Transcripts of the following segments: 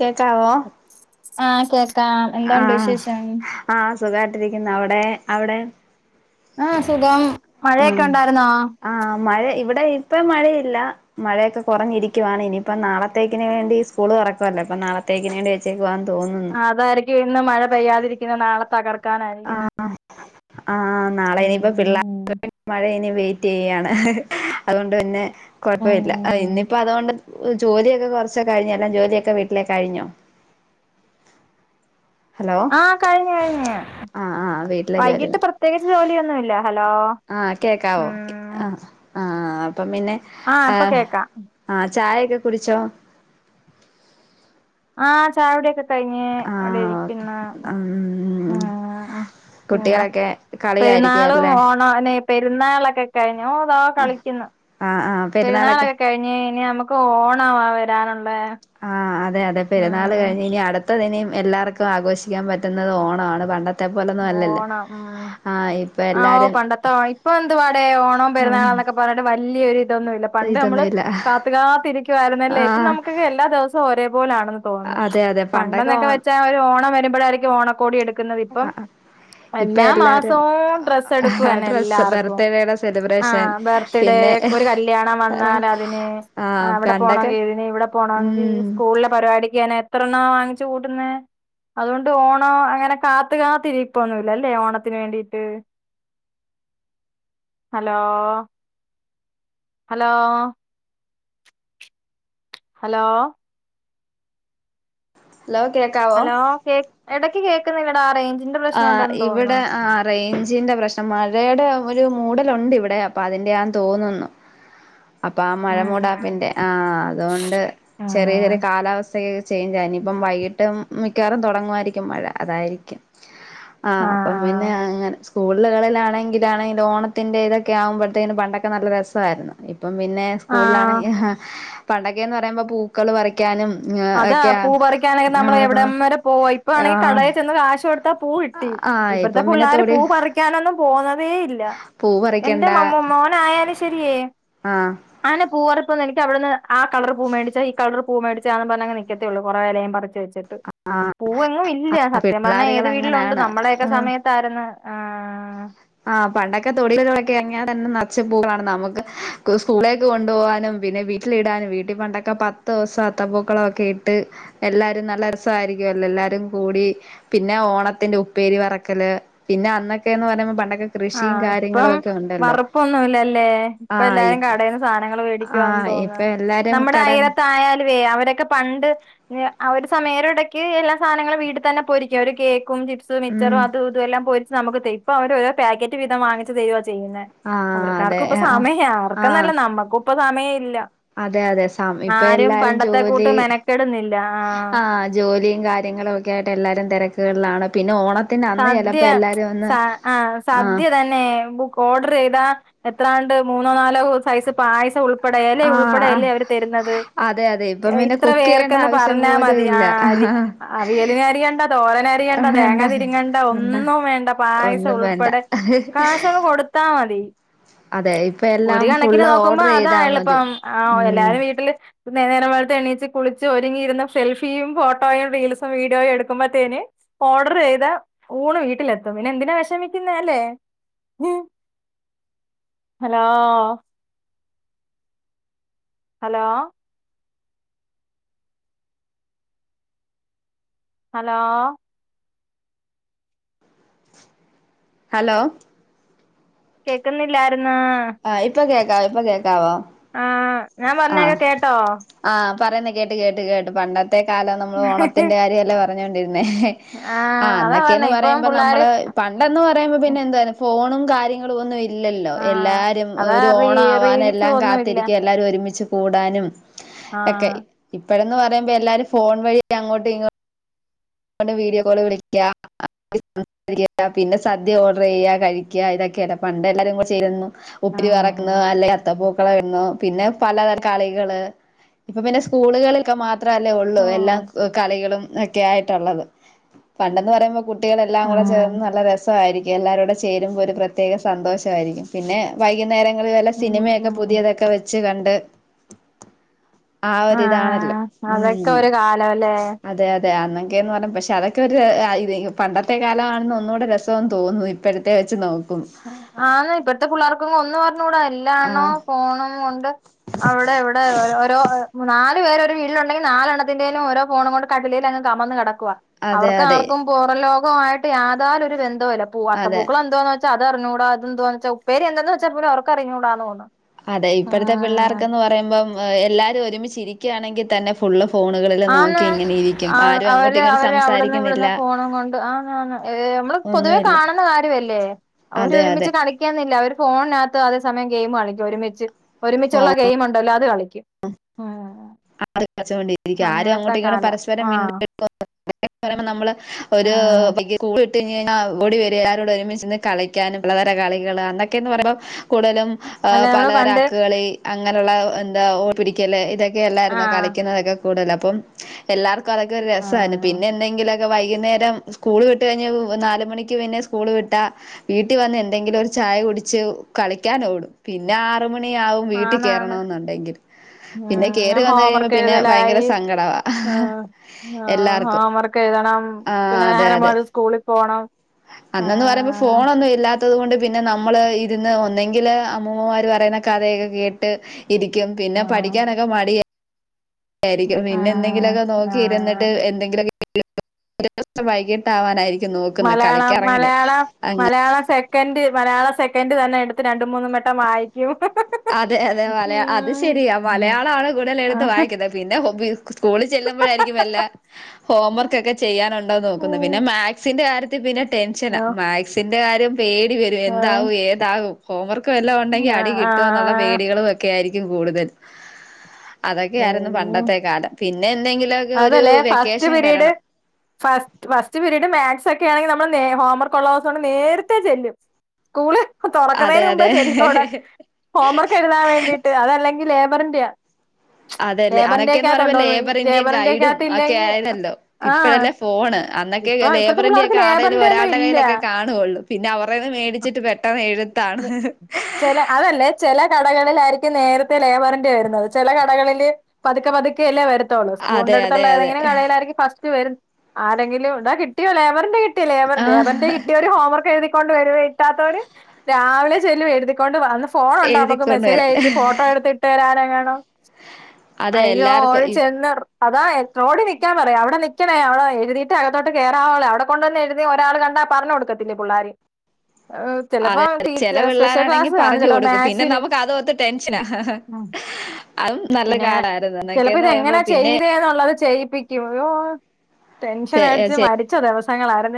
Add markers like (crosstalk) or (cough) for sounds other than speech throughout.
കേക്കാവോ ആഹ് കേ ക്കാം എന്തുണ്ട് ആഹ് വിശേഷം. ആഹ് സുഖായിട്ടിരിക്കുന്നു അവിടെ അവിടെ ആഹ് സുഖം മഴയൊക്കെ ഉം ഉണ്ടായിരുന്നോ ആഹ് മഴ ഇവിടെ ഇപ്പം മഴയില്ല മഴയൊക്കെ കുറഞ്ഞിരിക്കുവാണ് ഇനിയിപ്പം നാളത്തേക്കിന് വേണ്ടി സ്കൂൾ ഒക്കെ തുറക്കല്ലേ നാളത്തേക്കിന് വേണ്ടി വെച്ചേക്കുവാ അതായിക്കും ഇന്ന് മഴ പെയ്യാതിരിക്കുന്ന നാളെ പകർ ആഹ് ആഹ് നാളെ ഇനിയിപ്പ പിള്ളേ ഉം മഴ ഇനി വെയിറ്റ് ചെയ്യണ് അതുകൊണ്ട് പിന്നെ കുഴപ്പ ഇല്ല ഇന്നയിപ്പ അതുകൊണ്ട് ജോലിയൊക്കെ കൊറച്ചൊ കഴിഞ്ഞോ എല്ലാം ജോലിയൊക്കെ വീട്ടിലേ കഴിഞ്ഞോ ഹലോ ആഹ് കഴിഞ്ഞു കഴിഞ് ആഹ് ആഹ് വൈകിട്ട് പ്രത്യേകിച്ച് ജോലിയൊ (unintelligible) ആ കേക്കാവോ ആ അപ്പം പിന്നെ ഇപ്പൊ ആഹ് കേക്കാം ആഹ് ചായൊക്കെ കുടിച്ചോ ആഹ് ചായുടിക്കെ കഴിഞ് അവിടെ ആഹ് ഓക്കെ ഇരിക്ക്ന്ന ഉം ഉം പിന്നെ കുട്ടികളൊക്കെ പെരുന്നാളും കളിയായിരിക്കുവല്ലേ ഓണോനെ പെരുന്നാളൊക്കെ കഴിഞ്- ഓ വാവ് കളിക്ക്ന്ന് ആഹ് ആഹ് പെരുന്നാളൊക്കെ കഴിഞ്ഞ് കഴിഞ്ഞ നമ്മ് ക്കോണവാ വരാനു ആഹ് അത് അതേ അതെ പെരുന്നാൾ കഴിഞ് ഇനി അടു ത്തതിനീം എല്ലാർക്കും ആഘോഷിക്കാൻ പറ്റുന്നത് ഓണാണ് പണ്ട ഓണം ഉം ഇപ്പൊ ആ ഒ എല്ലാരും പണ്ടത്തെ ഇപ്പൊ എന്തുവാടെ ഓണം ഉം പെരുന്നാളാ ന്നൊക്കെ പറഞ്ഞിട്ട് വല്യ ഒരു ഇതൊന്നുല്ല പണ്ട് നമ്മള് ഇതൊന്നുമില്ല കാത്ത് കാത്ത് ഇരിക്കുവായിരുന്നല്ലേ ഇപ്പം ആഹ് നമുക്കൊക്കെ എല്ലാ ദിവസോ ഒരേ പൊ പോലാണെന്ന് തോന്നുന്നു അതെ അതെ പണ്ടൊക്കെ പണ്ടൊന്നൊക്കെ വെച്ച ഓ ഒരു ഓണം വരു ഇപ്പയാരിക്ക ഓണക്കോടി എടു ന്നതിഇപ്പം ആഹ് ഇപ്പൊ എല്ലാ എല്ലാരും മാസവും ഡ്രെസ്സ് ആ എടുപ്പെന്നെ ഡ്രസ്സ് എല്ലാർക്കും ബർത്ത്ഡേയുടെ ആ സെലിബ്രേഷൻ ബർത്ത്ഡേ പിന്നെ ഒരു കല്യാണം വന്നാലതിന് ആ അവിടെ പണ്ടൊക്കെ പോണങ്കി ഇതിന് ഇവിടെ പോണങ്കി ഈ ഉം സ്കൂളിലെ പരിപാടിക്ക്ന്നെ എത്രെണ്ണാ വാങ്ങിച്ചു കൂട്ടുന്നേ അതുകൊണ്ട് ഓണോ അങ്ങനെ കാത്ത് കാത്ത് ഇരി ഇപ്പൊന്നുല്ലല്ലേ ഓണത്തിന് വേണ്ടീട്ട് ഹലോ ഹലോ ഹലോ ഹലോ കേക്കാവോ ഹലോ കേ എടക്ക് കേക്കുന്നില്ല സാറേഞ്ച് ആഹ് ഇവിടെ ആ റേഞ്ചിന്റെ പ്രശ്നം മഴയുടെ ഒരു മൂടലുണ്ടിവിടെ അപ്പൊ അതിന്റെ ആണെന്ന് തോന്നുന്നു അപ്പൊ ആ മഴ ഉം മൂടാപ്പിന്റെ ആ അതോണ്ട് ചെറിയ ആഹ് ചെറിയ കാലാവസ്ഥ (unintelligible) ചേഞ്ചായ് നിപ്പം വൈകിട്ട് മ് മിക്കവാറും തൊടങ്ങുവായിരിക്കും മഴ അതായിരിക്കും ആ അപ്പം പിന്നെ അങ്ങനെ സ്കൂള് (unintelligible) ഓണത്തിന്റെ ഇതൊക്കെ ആവുമ്പോയ്ത്തേണ് പണ്ടൊക്കെ നല്ല രസായിര്ന്ന് പ്പം പിന്നെ ആഹ് സ്കൂൾആണെങ്കി ഹ പണ്ടൊക്കെന്ന് പറയുമ്പൊ പൂക്കള് പറി യ്ക്കാനും അതാ പൂ പറിക്കാനെ നമ്മള് എവിടം വരെ പോയി (unintelligible) കടേ ആഹ് ചെന്ന് (unintelligible) ചൊട് പ പൂ ഇട്ടി ആഹ് ഇപ്പത്തെ ഇപ്പം പിന്നെ പുള്ളേര് തൊടി പൂ പറിക്കാനൊന്നും പോന്നതേയില്ല പൂ എന്റെ പറിക്കണ്ട മമ്മു മോനായേല് ശ്‌ എരിയേ ആഹ് ആനെ പൂവറപ്പ് നൽ ക്യവിട്ന്ന് ആ കളർപൂ മേിടിച്ച ഇ കളർ പൂ മേിടി ച്യാണമ്പപർഞ് അങ്നെ നിക്കത്തേയൊള്ളൂ കൊറേ എലേയും പറിച്ച് വച്ച് എത്ത് പൂവെങ്ങും ഇല്ല സത്യം പർഞ്ഞാ പിള്ളേരുകൾ ഏത് വീട്ട്ലുണ്ട് അങ്ങനാണ് നമ്മടെക്കെ സമയത്തായ്ര്ന്നു ആഹ് ആ പണ്ടൊക്കെ തൊടീലുകളൊക്കെ എർങ്യ തന്നെ നർച്ച് പൂക്കളാണ് നമുക്ക് ക്കു സ്കൂളേക്ക് കൊണ്ടോവാനും പിന്നെ വീട്ടിലിടാനും വീട്ടി പണ്ടൊക്കെ പത്തോസം അത്തപ്പൂക്കളൊക്കെ ഇട്ട് എല്ലാരും നല്ല ര്സമായിരിക്കുഅല്ലോ എല്ലാരും കൂടി പിന്നെ ഓണത്തിന്റെ ഉപ്പേരി വറക്കല് പിന്നെ അന്നൊക്കെന്ന് പർഞപൊ ആഹ ഇപ്പം വറുപ്പൊന്നുല്ലല്ലേ പ്പ ആഹ് എല്ലാരും കടേന്ന് സാനങ്ങൾ വേടിക്കോന്ന് ആഹ് തോന്ന ഇപ്പൊ എല്ലാരും നമ്മടെ കട അയിരത്തായാലുവേ അവരെ ൻക്ക് പണ്ട് എ അ ഒരു സമയരുടക്ക് എല്ല സാനങ്ങളും വീട്ടിതന്നെ പൊരിക്ക ഒര് കേക് ക്കും ചിപ്സ് മിച്ചറും ഉം അതു ഇതു എല്ലാം പോയി സമുക്ക് തൈ പ്പ അവര് പാക്കറ്റ് വിതം വാങ്ങിച്ചു തരൊ ചെയ്യുന്നെ ആഹ് അതെ അവർക്കാർക്കു പ്പ ആഹ് സമയാ ആഹ് അവർക്കന്നല്ല നമ്മക്കും. ഇപ്പൊ സമയില്ല. അതെ അതെ സമ ഇപ്പൊ എല്ലാരും കൂട്ട് ജോലി മെനക്കെടുന്നില്ല ആഹ് ആ ജോലിയും കാര്യങ്ങളൊക്കെ ആയിട്ട് എല്ലാരും തെരക് ക്ൾ ആണ് പിന്നെ ഓണ സദ്യ സ ആ ആഹ് സദ്യ തന്നെ ബുക്ക് ഓഡർ യ്താ എ ത്രാണ്ട് മൂന്നോ നാലോ ഹൊ സൈസ് പായ്സം ഉൾ പടേ ആഹ് എലയുൾപ്പെടെയല്ലേ ആഹ് അവര് തരുന്നത് അതെ അതെ ഇപ്പം പിന്നെ ഇത്ര കുക്ക് ചെയ്യേണ്ട വേർക്കന്ന് ആവശ്യം പോലും പറഞ്ഞാമതി ആ ഇല്ല അരി അ അവിയല് ഏരിയണ്ട തോരനരിയണ്ട വേണ്ട തേങ്ങതി ഇങ്ങണ്ട വേണ്ട ഒന്നും വേണ്ട പായസം ഒന്നും വേണ്ട ഉൾപ്പെടെ കാഷങ് കൊടുത്താ മതി അതെ ഇപ്പൊ ഒരു എല്ലാം കണക്കിന് ഫുള്ള് നോക്കുമ്പോ ഓർഡർ ചെയ്താ മതി അതായെളുപ്പം ആ ഉം എല്ലാരും വീട്ടില് നേരം വെൾത്ത് എണ്ണീച്ച് കുളിച്ച് ഒരുങ്ങിയിരുന്ന സെൽഫിയും ഫോട്ടോയും റീൽസും വീഡിയോയും എടുക്കുമ്പത്തേന് ഓർഡർ ചെയ്ത ഊണ് വീട്ടിലെത്തും പിന്നെ എന്തിനാ വെഷമിക്കുന്നേ എല്ലേ. ഹലോ. ഹലോ. ഹലോ. ഹലൊ. കേക്കുന്നില്ല ആരു ആഹ് ഇപ്പൊ കേക് (unintelligible) ഇപ്പോ ആ ഞാൻ പറഞ്ഞേക്കെ കേട്ടോ? ആഹ് പറയുന്ന കേട്ട് കേട്ട് കേട്ട് പണ്ട ത്തെ കാലം നമ്മ ഓണത്തിന്റെ കാര്യല്ലേ പ പറഞ്ഞോണ്ടി പിന്ന ആ ആഹ് അതാ പറഞ്ഞെ അന്നൊക്കെയന്ന് ഇപ്പം പറയുമ്പോ പിള്ളാര് നമ്മള് പണ്ടന്ന് പറയുമ്പോ പിന്നെ എന്ത ഫോണും കാര്യങ്ങൾ ഒന്നും ഇല്ലല്ലോ ആഹ് എല്ലാര് അതാ ഒര് റീ ഓണം റീൽസ് ആവാനെല്ലാം ഒന്നും ഇല്ല കാത്തിരിക്കും എല്ലാരും ഒ ഒരുമിച്ച് കൂടാനും എക്കെ ആഹ് ഇപ്പോഴന്ന് പറയുമ്പോ എല്ലാരും ഫോൺ വഴി അങ്ങോട്ടും ഇങ്ങോ ണ്ട് വീഡിയോ കോള് വിളിക്ക (inaudible) സംസാരിക്കുക പിന്നെ സദ്യ ഓർഡർ ചെയ്യുക കഴിക്കുക ഇതൊക്കെയല്ല പണ്ട് എല്ലാവരും കൂടെ ചെയ്തന്നു. ഉപ്പരി ആഹ് വറക്കുന്നെ അല്ലെ അത്തപൂ (unintelligible) പിന്നെ പലതരം കളികള് ഇപ്പൊ പിന്നെ സ്കൂളുകളൊക്കെ മാ അത്ര അല്ലേ ഉള്ളൂ എല്ലാ ആഹ് കളികളും എക്കെ ആയി ട്ടുള്ളത് പണ്ടെന്ന് പറയുമ്പ കുട്ടികളെല്ലാം ഉം കൂടെ ചേർന്ന് നല്ല രസായിരിക്കും എല്ലാരൂടെ ചേരുമ്പോൾ ഒരു പ്രത്യേക സന്തോഷായിരിക്കും പിന്നെ വൈകുന്നേരം (unintelligible) ഉം സിനമയൊക്കെ ഉം പുതിയതൊക്കെ വെച്ച് കണ്ട് ണ്ട് ആഹ അതൊക്കെ ഒരു കാലവല്ലേ (unintelligible) ക്കെന്ന് പറഞ്ഞ പക്ഷെ അതൊക്കെ ഒരു ആ പണ്ടത്തെ കാലമാണെന്ന് ഒന്നുടെ രസംന്ന് തോന്നുന്നു ഇപ്പോഴത്തെ വെച്ച് നോക്കും ആന്ന് ഇപ്പഴത്തെ പിള്ളേർക്കൊന്നും ഒന്ന് (unintelligible) എല്ലാ ആ എണ്ണോം ഫോണും കൊണ്ട് അവിടെ ഇവിടെ ഓരോ (inaudible) നാല് പേര് ഒരു വീട്ടിലുണ്ടെങ്കിൽ നാലെണ്ണത്തിന്റെലും ഓരോഫോണ് കൊണ്ട് കട്ടിലും അങ്ങ് കമന്ന് കിട (unintelligible) അതെ അവർക്ക് അതെ ആർക്കും പോറലോ മായിട്ട് യാതാലൊര് ഒരു ബന്ധ (unintelligible) പൂവാത്ത അതെ പൂക്കൾ എന്ത്വാന്ന് വെച്ച് അതറിഞ്ഞുട അത് എാന്തുന്നച്ച ഉപ്പേരി എന്താന്ന് വച്ച കൂടി അവർക്ക് അറിഞ്ഞൂടാന്ന് തോ അതെ ഇപ്പഴത്തെ പിള്ളേർക്കന്ന് പറയുമ്പം എല്ലാവാരും ഒരുമിച്ചിരിക്കുകയാണെങ്കിൽ തന്നെ ഫുഡ ആന്ന് ആ അങ്ങോട്ടും അവര് ഇങ്ങോട്ടും അവര് അവിടുന്ന് സംസാരിക്കുന്നില്ല ഇവിടുന്ന് ഫോണും കൊണ്ട് ആന്ന് ആന്ന് നമ്മള് പൊതുവെ ഒന്നുമില്ല കാണുന്ന കാര്യമല്ലേ അവര് അതെ അതെ ഒരുമിച്ച് കളിക്കുന്നില് ഫോണിനകത്ത് അതേ സമയം ഗെയിം കളിക്കും ഒരുമിച്ച് ഒരുമിച്ചുള്ള ഗെയിം ഉണ്ടല്ലോ അത് ഉം ആ കച്ച് കൊണ്ടരി ആരും അങ്ങനത്തെ അങ്ങോട്ട ഇങ്ങട്ട കാല പരസ്പരം ആഹ് മിണ് അത (unintelligible) പറയുമ്പോൾ നമ്മള്ക്ക് ഒരു ആഹ് വ (unintelligible) ക കഴി (unintelligible) ഓടി വരിയരോട് എല്ലാവരും ഒരുമിച്ചിരുന്ന് കളിക്കാനും പലതര കളികള് അന്നെക്കെപറുയുമ്പം കൂടുതലും ആ അല്ല നമ്മള് പലതരം പണ്ട് അക്ക്കളി അങ്ങനെയുള്ള ഓടിപിടിക്കല് ഇ ല്ലായിരുന്നോ ആഹ് കളിക്കുന്നതൊക് കൂടുതൽ അപ്പം എല് അപ്പം അതെക്കെ ഒരു രസമാണ് ആഹ് പിന്നെ എന്നങ്കില് ഒക് വൈകുന്നരം സ്കൂൾ വിട്ടകഴിഞ്ഞ് നലു മണിക്ക് തന്നേ സ്കൂൾ വിട്ടാ വീട്ടിൽ വന്ന് എന്തെങ്കിലും ഒരു ചായ കുടിച്ച് കളിക്കാനോടും പിന്നെ ആറമ ണിയാകും വീട്ടിൽ കയറണ എന്നുണ്ടെങ്കിൽ ആ ഹോം വർക്ക് ഭയങ്കര എഴുതലായി സങ്കടവാ അ് അ് എല്ലാർക്കും ഹോം വർക്ക് എഴുതണം ആഹ് പിന്നെ അതെ നേരം അതെ വെ സ്കൂളിൽ പോണം അന്നന്ന് പറയുമ്പോ ആഹ് ഫോണൊന്നും ഇല്ലാത്തത് കൊണ്ട് പിന്നെ നമ്മള്- ഇരുന്ന് ഒന്നെങ്കില് അമ്മൂമ്മമാർ പറയുന്ന കഥയൊക്കെ കേട്ട് ഇരിക്കും പിന്നെ ആഹ് പഠിക്കാനൊക്കെ മടി ആരിക്കും പിന്നെയെന്തങ്കിലുമൊക്കെ ആഹ് നോക്കി ഇരുന്നിട്ട് ആഹ് എന്തെങ്കില (unintelligible) വൈകിട്ട് ആവാനായിരിക്കും മലയാളം മലയാള മലയാളസെക്കൻഡ് മലയാള സെക്കൻഡ് തന്നെ എടുത്ത് രണ്ട് മൂന്ന് മട്ടം വായിക്കും- അതെ അതെ മല അത് ശെരിയാ മലയാളണ് കൂടുതൽ എടുത്ത് വായിക്കുന്നത് പിന്നെ ഹോം സ്കൂളിൽ ചെല്ലുമ്പോഴായിരിക്കും വല്ല ഹോംവർക്ക് ഒക്കെ ചെയ്യാനുണ്ടോന്ന് നോക്കുന്നു പിന്നെ ഉം മാക്സിന്റെ കാര്യത്തി- (unintelligible) ടെൻഷന മാക് ടെ ആരും പേടി വരും എന്താവും ഏതാവും ഹോംവർക്ക് ക്ക് എല്ലാം ഉണ്ടെങ്കി അടി കിട്ടു കിട്ടോന്നുള്ള പേടികളും ഒക്കെയായിരി ക്കും കൂടുതൽ അതൊക്കെയായിരുന്നു പണ്ടത്തെ കാലം പിന്നെ എന്തെങ്കിലൊ അതല്ലെ first period first first period maths ഒക്കെ- ക്കെ ആണെങ്കി നമ്മള് നേ ഹോംവർക്ക് ഉള്ള ദിവസാണെങ്കി നേരത്തെ ചെല്ലും സ്കൂള്- അതെ തുറക്കുന്നതിന് മുമ്പ് ചെല്ലു അവിടെ അതെ ഹോംവർക്ക് എഴുതാൻ വേണ്ടിട്ട് അതല്ലെങ്കിൽ എപ്പ പറണ്ട്യ (unintelligible) അതെല്ലേ അന്നൊക്കെന്നു പറയുമ്പോ ലേബറി ലബറിൻഡ്യയും ലേബറിന്റെയൊക്കെ ഗൈഡും അകത്ത് ഒക്കെ ഇല്ലെങ്കിൽ ആയിരുന്നല്ലോ ആഹ് ഇപ്പഴല്ലേ ഫോണ് അന്നൊക്കെ ഇപ്പൊ ഇപ്പഴത്തെ പിള്ളേർക്ക് ലേബറിൻഡൃക്കെ ആരുടെലും ലേബറിന്റെ ഒന്നും ഒരാളുടെ ഇല്ല കയ്യിലൊക്കെ കാണുവുള്ളൂ പിന്ന അവ പുറകേന്ന് മേടിച്ചിട്ട് പെട്ടെന്ന് എഴുത്താണ് ഹിഹി ചില അതല്ലേ ചില കടകളിലായിരിക്കും നേരത്തെ ലേബറിൻഡ്യ വരുന്നത് ചില കടകളില് പതുക്കെ പതുക്കെല്ലേ വരത്തോ - അതെ സ്കൂളിന്റെ അതെ അടുത്തുള്ള അതെ ഏതെങ്കിലും കടയിലായിരിക്കും ഫസ്റ്റ്- വരു. ആരെങ്കിലും എടാ കിട്ടിയോ ലേബറിൻഡ്യ കിട്ട് ലേബർ ആഹ് ലേബറിൻഡ്യ കിട്ടിയവര് ഹോംവർക്ക് എഴുതി കൊണ്ട് വെരുവേ കിട്ടാത്തവര് രാവിലെ ചെല്ലും എഴുതിക്കൊണ്ട് വാന്നു. ഫോണൊണ്ടോ നമുക്ക് എഴുതിക്കൊണ്ട് മെസ്സേജ് വരാൻ അയച്ച് ഫോട്ടോ എടുത്തിട്ട് തരാന്. വേണം അതെ അയ്യോ എല്ലാർക്കും ഓള് ഇ ചെന്നൊർ അതാ എ റോഡി നിക്കാൻ പറയാം അവടെ നിക്കണേ അവടെ എഴുതിയിട്ട് അകത്തോട്ട് കേയറാവുള്ളെ അവിടെ കൊണ്ടുവന്ന് എഴുതി ഒരാൾ കണ്ടാ പറഞ്ഞ് കൊടുക്കത്തില്ലേ പിള്ളാര് ചിലപ്പോ അതെ ടീ ചെല സ്പെഷ്യൽ പിള്ളാരാണെങ്കി ക്ലാസ് കാണും പറഞ്ഞു ചിലപ്പോ കൊടുക്കും പിന്നെ മാത്സിന് നമുക്ക് അതോർത്ത് ടെൻഷനാ ഹ ഹാ പിന്നെ ചെലപ്പോ ഇതെങ്ങനാ പിന്നെ ചെയ്തേ ന്നുള്ളത് ചെയ്യിപ്പിക്കും അയ്യോ ടെൻഷൻ ചെ അടിച്ച് ചെ മരിച്ച ദിവസങ്ങളാര്ന്ന്.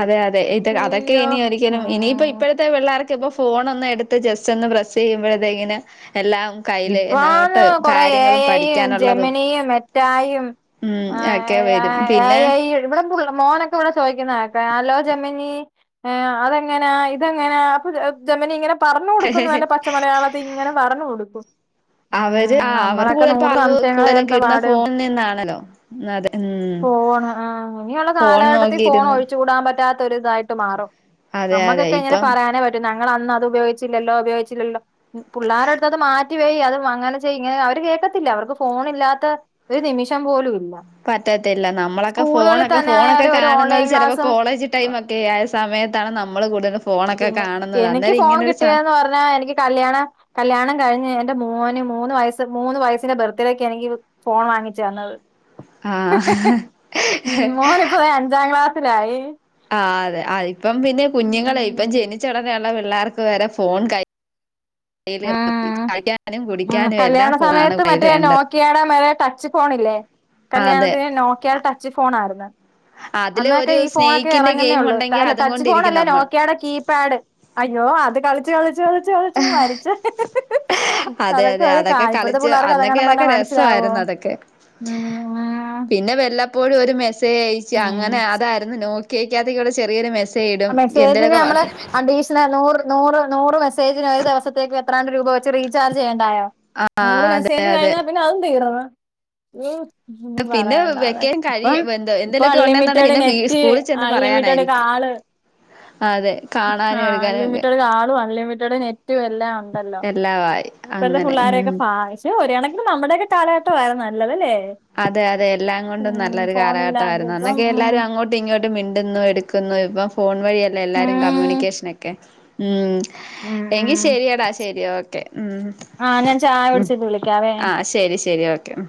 അതെ അതെ ഇത് അതൊക്കെ ഇനി ഉം ഒരിക്കലും ഇനിയിപ്പ ഉം ഇപ്പൊഴത്തെ പിള്ളേർ പ്പോ ഫോൺ ഒന്ന് എടുത്ത് ജസ്റ്റ് ഒന്ന് പ്രസ് ചെയ്യുമ്പഴ്ത്തേക്കിന്. ഇപ്പോ ഓന്ന് കൊറെ എ കാര്യങ്ങളും ഐയും പഠിക്കാനുള്ളതും ജമിനിയും മെറ്റായും ഉം ഒക്കെ വരും പിന്നെ എഐയ്യും ഇവിടെ പുള്ള മോനൊക്കെ ഇവിടെ ചോയിക്കുന്ന കേക്കാം. ഹലോ ജമിനി അതെങ്ങനാ ഇതെങ്ങനാ അപ്പ ജ ജമിനി ഇങ്ങന. പറഞ്ഞു കൊടുക്കുംന്നല്ല പച്ചമലയാളത്തി ഇങ്ങനെ പറഞ്ഞു കൊടുക്കും ഉ അവര് ആ അവർക്ക് നമ്മളൊക്കെ കൂടുതൽ നൂറ് അറിവ് കൂടുതലും കിട്ടുന്ന സംശയങ്ങളേർത്തപാട് ഫോണിൽ നിന്നാണല്ലോ അതെ ഉം ഫോണ് ആ ഇനിയുള്ള ഫോൺ കാലഘട്ടത്തി നോക്കിയിരുന്നു ഫോണൊഴിച്ചുകൂടാൻ പറ്റാത്ത ട്ട് ഒരിതായിട്ട് മാറും അതെ അതെ അമ്മക്കൊക്കെങ്ങനെ ഇപ്പം പറയാനേ പറ്റു ങ്ങളന്ന് അത് ഉപയോഗിച്ചില്ലല്ലോ ഉപയോഗിച്ചില്ലല്ലോ പുള്ളാരടുത്തത് മാറ്റി. റ്റി വൈ അതും അങ്ങനെ ചെയ്യ് ഇങ്ങനെ അവര് കേൾക്കത്തില്ല അവർക്ക് ഫോണില്ലാത്ത ഒരു നിമിഷം പോലുംല്ല പറ്റത്തില്ല നമ്മളൊക്കെ ഫോണൊക്കെ തന്നെ ഫോണൊക്കെ ആയാലും ഒരു കാണുന്നത് ഓൺലൈൻ ചെലപ്പോ ക്ലാസും കോളേജ് ടൈമൊക്കെയ സമയത്താണ് നമ്മൾ കൂടുതലും ഫോണൊക്കെ പിന്നെ കാണുന്നത് എനിക്ക് അന്നേരം ഫോൺ ഇങ്ങനൊരു സ കിട്ടിയന്ന് പറഞ്ഞാ എനിക്ക് കല്യാണം കല്യാണം കഴിഞ്ഞ് എൻ്റെ മോൻ മൂന്ന് വയസ് മൂന്ന് വയസിന്റെ ബർത്ത്ഡേക്ക് എനിക്ക് ഫോൺ വാങ്ങിച്ചന്നത്. ആ ഉം മോന്പ്പ ദേ അഞ്ചാംക്ലാ ലായി ആ അതെ ആ ഇപ്പം പിന്നെ കുഞ്ഞുങ്ങളെ ഇപ്പം ജനിച്ചടൊനെ ആണ പിള്ളേർക്ക് വരെ ഫോൺ കയി ആഹ് ആ കുടിക്കാനും എല്ലാം കല്യാണ ഫോണാണ് സമയത്ത് കയ്യില് മറ്റേ വേണ്ടത് നോക്കിയാടെ മറ്റേ ടച്ച് ഫോണില്ലേ അതെ കല്യാണത്തിന് നോക്കിയാടെ ടച്ച് ഫോണായിര്ന്ന്. അതില് അന്നൊക്കെ ഒരു ഈ ഫോണൊക്കെ സ്നേഹിക്കിന്റെ എറങ്ങുന്നേ ഗെയിം ഒള്ളൂ ഉണ്ടെങ്കി അല്ല അതും ടച്ച് കൊണ്ടിരിക്കും ഫോണല്ലാ നമ്മൾ നോക്കിയാടെ കീപാഡ് അയ്യോ അത് കളിച്ച് കളിച്ച്. കളിച്ച് കളിച്ച് മരിച്ച് അതെ അതൊക്കെ അതെ ഒരു കാലം ഇപ്പഴ്ത്തെ കളിച്ച് പിള്ളാർക്ക് അന്നൊക്കെ അതെങ്ങാനും പറഞ്ഞാ അതൊക്കെ മനസിലാവോ രസമായിരുന്നു അതൊക്കെ മ്മ് ഇപ്പോഴും ഒരു മെ (unintelligible) അങ്ങനെ അതായിരുന്നു നോ കേക്കാത്തിക്കോടെ ചെറിയൊര വെഷ മെസ്സേജിന് നമ്മള് അഡീഷണ നൂറ് നൂറ് നൂറ് മെസ്സേജിന ദെവസത്തേക്ക് എത്രാണ്ട് രൂപ വെച്ച് റീചാജ് ചെയ്യൻ- ണ്ടായോ ആ നൂറ് അതെ മെസേജ് അതെ കഴിഞ്ഞാ പിന്നെ അതും തീർന്ന്- ഉം ഒന്നും പിന്നെ പറയണ്ട അതെക്കെ വെക്കേൻ കഴി ഇപ്പം എന്ത ഇപ്പൊ എന്തേലൊക്കെ ഉണ്ടെന്നുണ്ടെങ്കി അൺലിമിറ്റഡ് പിന്നെ വീ നെറ്റ് സ്കൂളിൽ ചെന്ന് അൺലിമിറ്റഡ് പറയാനായിരിക്കും കാള്- അതെ ആ കാണാനും എടുക്കാനും ഒക്കെ അൺലിമിറ്റഡ് കാളും അൺലിമിറ്റഡ് നെറ്റും എല്ലാണ്ടല്ലോ എല്ലാമായി അങ്ങനെ ഇപ്പഴത്തെപുള്ളാരൊക്കേ ഉം പാ- ഒര്കണക്കിന് നമ്മുടെയൊക്കെ കാലഘട്ടവായിരുന്നു നല്ലതല്ലേ? അതെ അതെ എല്ലാംകൊണ്ടും ഉം നല്ലൊരു ഫോണില്ലാതെ കാലഘട്ടായിരുന്നു ഇപ്പം അന്നൊക്കെ ഉം എല്ലാരും അങ്ങോട്ടും ഇങ്ങോട്ടും- മിണ്ടുന്നു എടുക്കുന്നു ഇപ്പം ഫോൺ വഴിയല്ലേ എല്ലാരും ഉം കമ്മ്യൂണിക്കേഷനൊക്കേ ഉം ഉം എങ്കി ഉം ശെരിയടാ ശെരി ഓ ഉം ആഹ് ഞാൻ ചായ ഉം കുടിച്ചിട്ട് വിളിക്കാവേ ആ ശെരി ശെരി ഓക്കെ ഉം